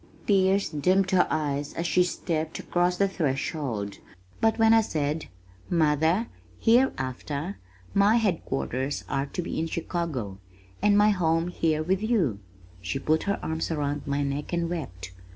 Tears dimmed her eyes as she stepped across the threshold, but when I said, "Mother, hereafter my headquarters are to be in Chicago, and my home here with you," she put her arms around my neck and wept.